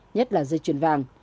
nhất là dây chuyền vàng